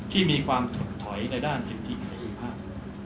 ที่มีความถดถอยในด้านสิทธิเสรีภาพ